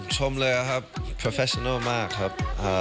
ชมเลยครับโปรแฟฟัสชันัลมากครับ